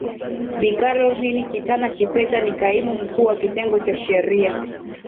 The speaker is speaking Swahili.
Bi Caroline kitana Chipeta ni Kaimu Mkuu wa Kitengo cha sheria